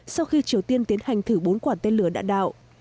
sau khi triều tiên tiến hành thử bốn quả tên lửa đạn đạo